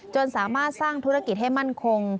สามารถสร้างธุรกิจให้มั่นคง